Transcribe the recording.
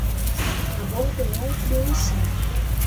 Aborto sim, crime não